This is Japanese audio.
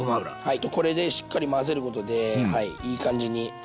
これでしっかり混ぜることでいい感じに。